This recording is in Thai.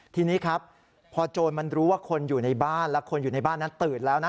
ทีนี้ครับพอโจรมันรู้ว่าคนอยู่ในบ้านและคนอยู่ในบ้านนั้นตื่นแล้วนะ